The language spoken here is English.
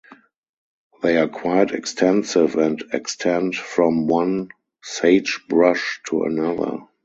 They are quite extensive and extend from one sagebrush to another.